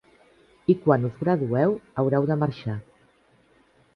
I quan us gradueu haureu de marxar.